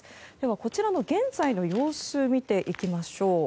こちらの現在の様子を見ていきましょう。